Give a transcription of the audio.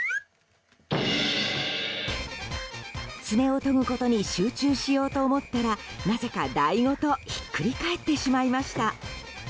爪を研ぐことに集中しようと思ったらなぜか、台ごとひっくり返ってしまいました。